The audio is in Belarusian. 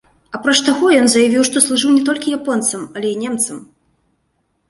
Апроч таго, ён заявіў, што служыў не толькі японцам, але і немцам.